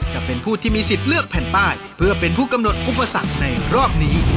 จะเป็นผู้ที่มีสิทธิ์เลือกแผ่นป้ายเพื่อเป็นผู้กำหนดอุปสรรคในรอบนี้